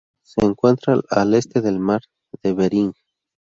Se encuentra al este del Mar de Bering.